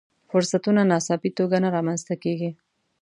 فرصتونه ناڅاپي توګه نه رامنځته کېږي.